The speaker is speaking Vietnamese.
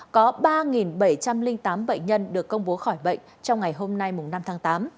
có ba bảy trăm linh tám bệnh nhân được công bố khỏi bệnh trong ngày hôm nay năm tháng tám